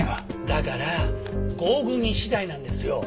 だから合組次第なんですよ。